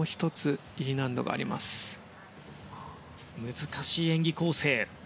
難しい演技構成。